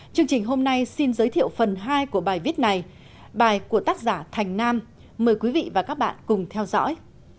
chương trình hôm nay xin giới thiệu phần hai của bài viết này bài của tác giả thành nam mời quý vị và các bạn cùng theo dõi